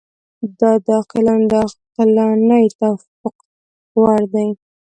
دا د عاقلانو د عقلاني توافق وړ دي.